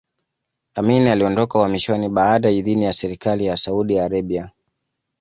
Amin aliondoka uhamishoni bila idhini ya serikali ya Saudi Arabia